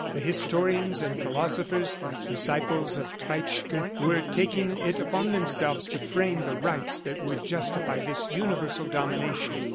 The historians and philosophers, disciples of Treitschke, were taking it upon themselves to frame the rights that would justify this universal domination.